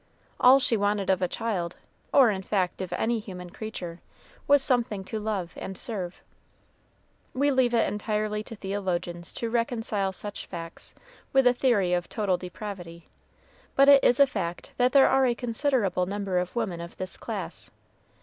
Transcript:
All she wanted of a child, or in fact of any human creature, was something to love and serve. We leave it entirely to theologians to reconcile such facts with the theory of total depravity; but it is a fact that there are a considerable number of women of this class.